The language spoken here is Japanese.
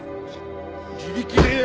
自力でよ！